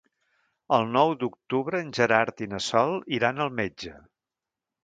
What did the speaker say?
El nou d'octubre en Gerard i na Sol iran al metge.